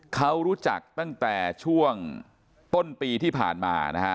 เขารู้จักตั้งแต่ช่วงต้นปีที่ผ่านมานะฮะ